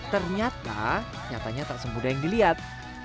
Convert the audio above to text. ternyata nyatanya tersebut yang dilihat